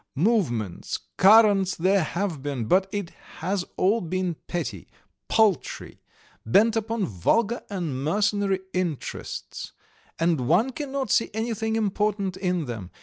Movements, currents there have been, but it has all been petty, paltry, bent upon vulgar and mercenary interests and one cannot see anything important in them.